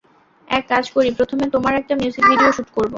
এক কাজ করি, প্রথমে তোমার একটা মিউজিক ভিডিও শ্যুট করবো।